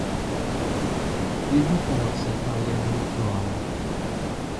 Il débute alors sa carrière électorale.